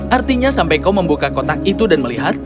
artinya sampai kau membuka kotak itu dan melihat